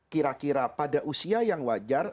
kira kira pada usia yang wajar